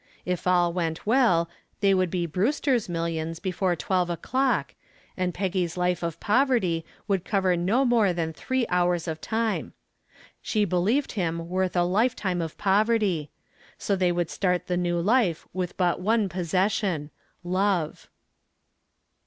If all went well they would be Brewster's millions before twelve o'clock, and Peggy's life of poverty would cover no more than three hours of time. She believed him worth a lifetime of poverty. So they would start the new life with but one possession love.